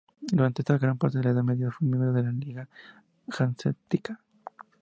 Durante gran parte de la Edad Media fue miembro de la Liga Hanseática.